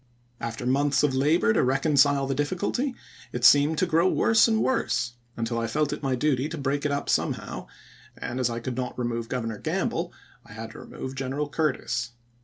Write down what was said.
After months of labor to reconcile the difficulty, it seemed to grow worse and worse, until I felt it my duty to break it up somehow, and, as I could not remove Governor Gamble, I had to remove General Curtis.